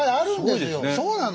そうなの！